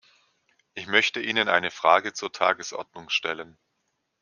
Ich möchte Ihnen eine Frage zur Tagesordnung stellen.